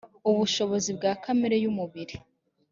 ubushobozi bwa kamere y umubiri